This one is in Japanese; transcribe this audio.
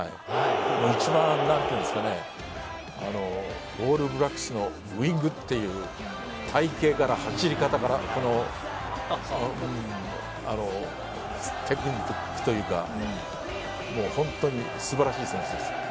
一番、オールブラックスのウイングっていう体形から、走り方から、テクニックというか、本当に素晴らしい選手です。